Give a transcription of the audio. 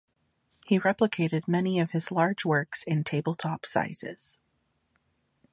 He replicated many of his large works in table-top sizes.